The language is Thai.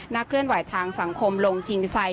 เคลื่อนไหวทางสังคมลงชิงไซด